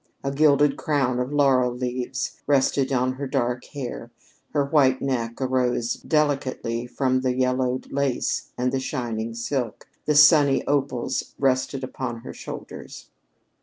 A gilded crown of laurel leaves rested on her dark hair; her white neck arose delicately from the yellowed lace and the shining silk; the sunny opals rested upon her shoulders.